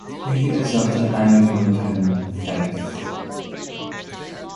He is of the Anglican faith.